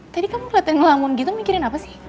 tadi kamu kelihatan ngelamun gitu mikirin apa sih